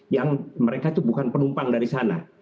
yang mereka itu bukan penumpang dari sana